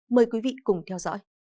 mời quý vị cùng theo dõi